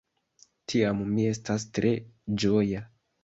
Tiam mi estas tre ĝoja.